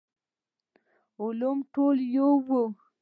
علوم ټول يو وو.